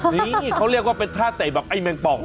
นี่เขาเรียกว่าเป็นท่าเตะแบบไอ้แมงป่อง